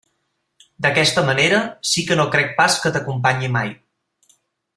D'aquesta manera, sí que no crec pas que t'acompanyi mai.